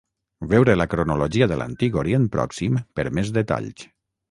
Veure la Cronologia de l'Antic Orient Pròxim per més detalls.